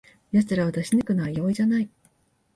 やつらを出し抜くのは容易じゃない